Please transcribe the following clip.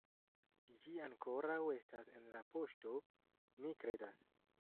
Ĝi ankoraŭ estas en la poŝto, mi kredas